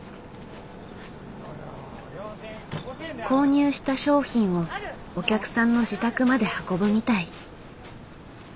購入した商品をお客さんの自宅まで運ぶみたい。